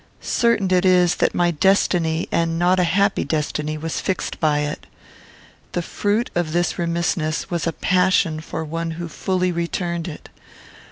Certain it is, that my destiny, and not a happy destiny, was fixed by it. "The fruit of this remissness was a passion for one who fully returned it.